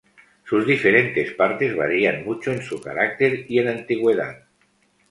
Sus diferentes partes varían mucho en su carácter y en antigüedad.